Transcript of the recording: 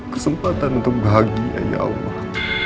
kesempatan untuk bahagia ya allah